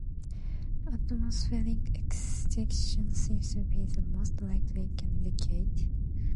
Atmospheric excitation seems to be the most likely candidate.